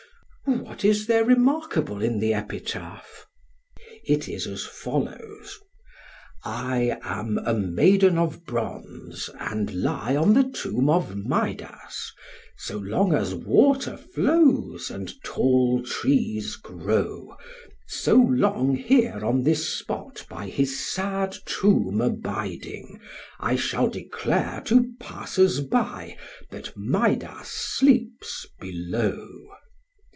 PHAEDRUS: What is there remarkable in the epitaph? SOCRATES: It is as follows: 'I am a maiden of bronze and lie on the tomb of Midas; So long as water flows and tall trees grow, So long here on this spot by his sad tomb abiding, I shall declare to passers by that Midas sleeps below.'